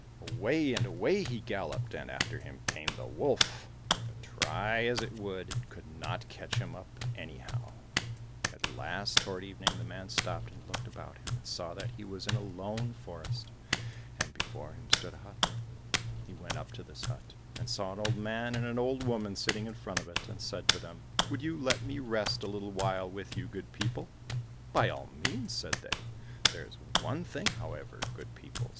Away and away he galloped, and after him came the wolf, but try as it would, it could not catch him up anyhow. At last, toward evening, the man stopped and looked about him, and saw that he was in a lone forest, and before him stood a hut. He went up to this hut, and saw an old man and an old woman sitting in front of it, and said to them, '' Would you let me rest a little while with you, good people }"—" By all means !" said they. —" There is one thing, however, good people